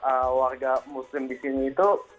eee warga muslim di sini itu